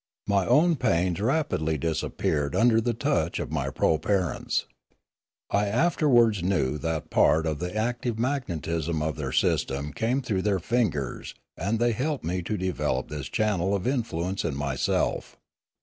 My own pains rapidly dis appeared under the touch of my proparents. I after wards knew that part of the active magnetism of their system came through their fingers and they helped me to develop this channel of influence in myself.